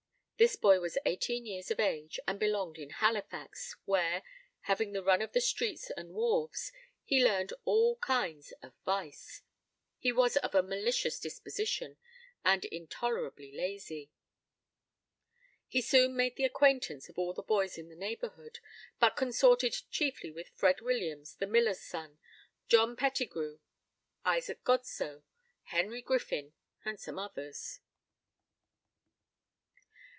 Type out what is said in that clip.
This boy was eighteen years of age, and belonged in Halifax, where, having the run of the streets and wharves, he learned all kinds of vice. He was of a malicious disposition, and intolerably lazy. He soon made the acquaintance of all the boys in the neighborhood, but consorted chiefly with Fred Williams, the miller's son, John Pettigrew, Isaac Godsoe, Henry Griffin, and some others.